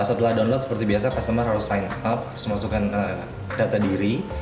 setelah download seperti biasa customer harus sign up harus masukkan data diri